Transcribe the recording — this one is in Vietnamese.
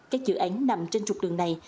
các dự án nằm trên trục đường này